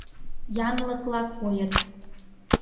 Янлыкла койыт.